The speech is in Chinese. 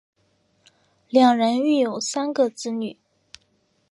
两人育有三个子女。